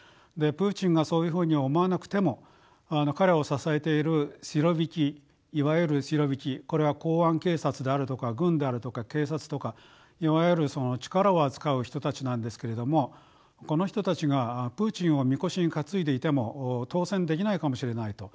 プーチンがそういうふうに思わなくても彼を支えているシロヴィキいわゆるシロビキこれは公安警察であるとか軍であるとか警察とかいわゆる力を扱う人たちなんですけれどもこの人たちがプーチンをみこしに担いでいても当選できないかもしれないと。